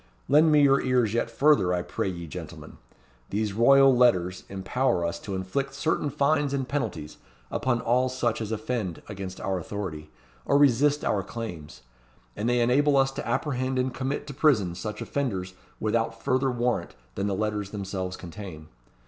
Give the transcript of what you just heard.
Lend me your ears yet further, I pray ye, gentlemen. These Royal Letters empower us to inflict certain fines and penalties upon all such as offend against our authority, or resist our claims; and they enable us to apprehend and commit to prison such offenders without further warrant than the letters themselves contain.